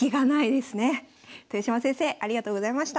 豊島先生ありがとうございました。